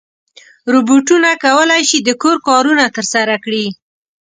روبوټونه کولی شي د کور کارونه ترسره کړي.